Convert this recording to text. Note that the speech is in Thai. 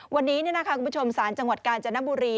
วันนี้คุณผู้ชมศาลจังหวัดกาญจนบุรี